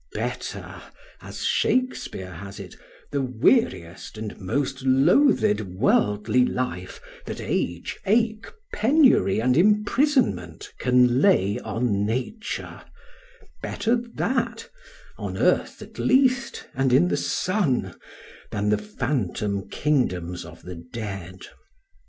] Better, as Shakespeare has it, "The weariest and most loathed worldly life That age, ache, penury and imprisonment Can lay on nature," better that, on earth at least and in the sun, than the phantom kingdoms of the dead.